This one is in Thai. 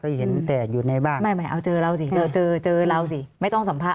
ก็เห็นแต่อยู่ในบ้านไม่ไม่เอาเจอเราสิเจอเจอเราสิไม่ต้องสัมภาษ